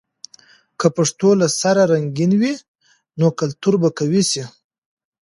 که پښتو له سره رنګین وي، نو کلتور به قوي سي.